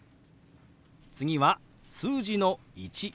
次は数字の「１」。